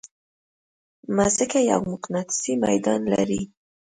مځکه یو مقناطیسي ميدان لري.